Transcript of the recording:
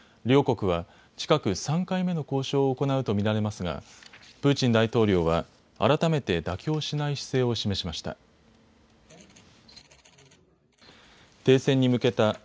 両国は近く３回目の交渉を行うと見られますがプーチン大統領は改めて妥協しない姿勢を示しました。